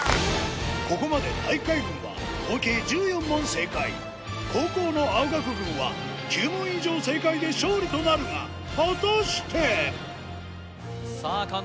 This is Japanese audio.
ここまで体育会軍は合計１４問正解後攻の青学軍は９問以上正解で勝利となるが果たしてさあ監督